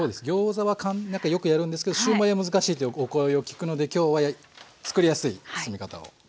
ギョーザはよくやるんですけどシューマイは難しいというお声をよく聞くので今日はつくりやすい包み方を。